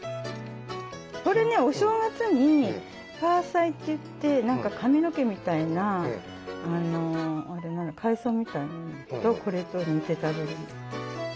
これねお正月にファーサイといって何か髪の毛みたいな海藻みたいなのとこれとを煮て食べるんです。